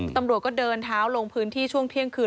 ตำรวจก็เดินเท้าลงพื้นที่ช่วงเที่ยงคืน